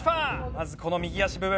まずこの右足部分。